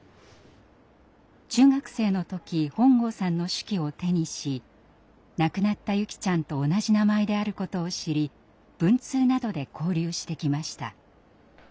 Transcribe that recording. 中学生の時本郷さんの手記を手にし亡くなった優希ちゃんと同じ名前であることを知り文通などで交流してきました。